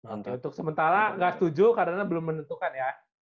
untuk sementara gak setuju karena belum menentukan ya